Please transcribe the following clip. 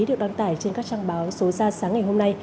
đoán tải trên các trang báo số ra sáng ngày hôm nay